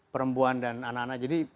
perempuan dan anak anak jadi